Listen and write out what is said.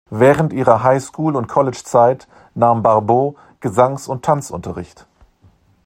Während ihrer Highschool- und Collegezeit nahm Barbeau Gesangs- und Tanzunterricht.